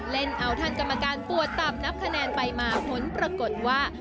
เล่นเอาท่านกรรมการปวดต่ำนับคะแนนไปมาผลปรากฏว่า